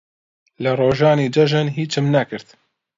لە ڕۆژانی جەژن هیچم نەکرد.